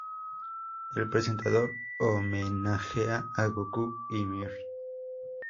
El Presentador homenajea a Gokū y Mr.